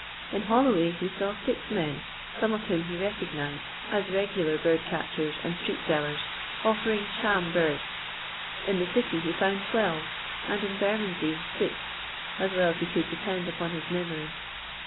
In Holloway he saw six lome of whom he recognised as regular bird catchers and street sellers, ofiering sham birds ; in the City he found tweWe; and in Bermondsey six, as well as he could depend upon his memory.